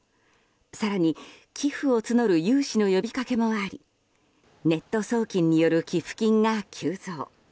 更に寄付を募る有志の呼びかけもありネット送金による寄付金が急増。